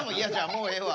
もうええわ。